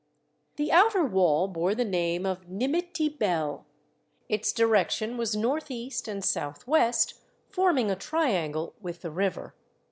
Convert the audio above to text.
The outer wall bore the name of Nimitti Bel. Its direction was north east and south west, form ing a triangle with the river.